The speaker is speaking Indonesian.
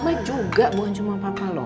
mama juga bukan cuma papa lho